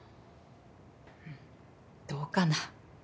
うんどうかな。